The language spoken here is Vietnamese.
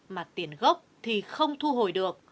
mà tiền gốc thì không thu hồi được